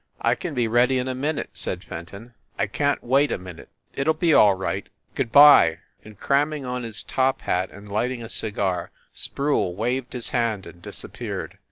"I can be ready in a minute," said Fenton. "I can t wait a minute. It ll be all right. Good by!" And cramming on his top hat and lighting a cigar, Sproule waved his hand and disappeared.